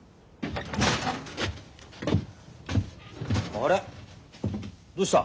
・あれどうした？